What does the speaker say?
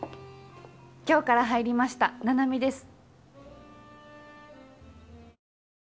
今日から入りました菜々美です。